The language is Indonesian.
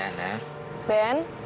yang gol holy prefer buka romans